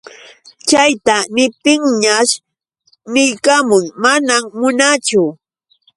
Chayta niptinñash niykamun: manam munaachu.